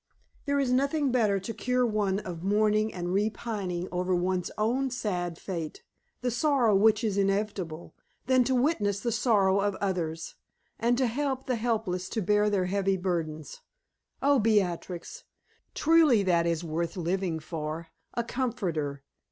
There is nothing better to cure one of mourning and repining over one's own sad fate the sorrow which is inevitable than to witness the sorrow of others, and to help the helpless to bear their heavy burdens. Oh, Beatrix! truly that is worth living for a comforter!